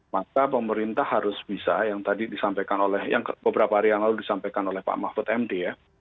maka pemerintah harus bisa yang tadi disampaikan oleh yang beberapa hari yang lalu disampaikan oleh pak mahfud md ya